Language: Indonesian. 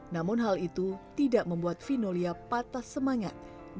namun hal itu tidak membuat vinolia patah semangat dalam memberi edukasi